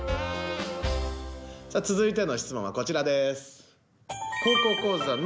さあ続いての質問はこちらです！